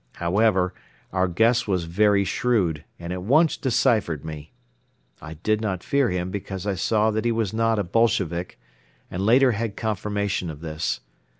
However, our guest was very shrewd and at once deciphered me. I did not fear him because I saw that he was not a Bolshevik and later had confirmation of this.